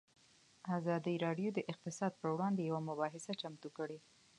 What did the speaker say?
ازادي راډیو د اقتصاد پر وړاندې یوه مباحثه چمتو کړې.